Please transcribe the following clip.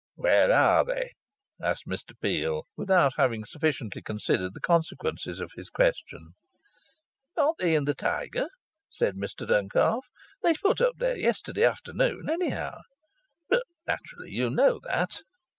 "Where are they?" asked Mr Peel, without having; sufficiently considered the consequences of his question. "Aren't they in the Tiger?" said Mr Duncalf. "They put up there yesterday afternoon, anyhow. But naturally you know that."